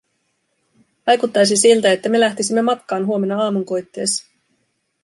Vaikuttaisi siltä, että me lähtisimme matkaan huomenna aamunkoitteessa.